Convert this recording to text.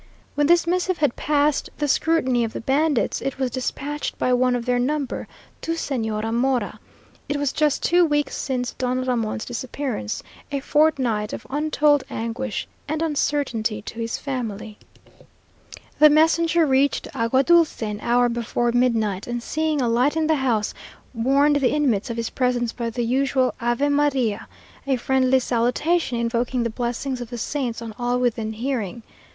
When this missive had passed the scrutiny of the bandits, it was dispatched by one of their number to Señora Mora. It was just two weeks since Don Ramon's disappearance, a fortnight of untold anguish and uncertainty to his family. The messenger reached Agua Dulce an hour before midnight, and seeing a light in the house, warned the inmates of his presence by the usual "Ave Maria," a friendly salutation invoking the blessings of the saints on all within hearing.